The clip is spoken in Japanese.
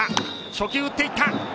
初球を打っていった。